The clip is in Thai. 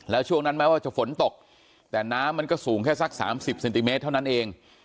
แล้วช่วงนั้นแม้ว่าจะฝนตกแต่น้ำมันก็สูงแค่สัก๓๐เซนติเมตรเท่านั้นเอง